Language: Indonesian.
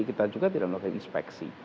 kita juga tidak melakukan inspeksi